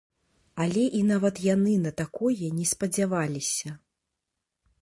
Але і нават яны на такое не спадзяваліся.